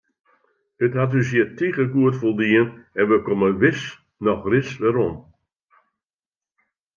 It hat ús hjir tige goed foldien en wy komme wis noch ris werom.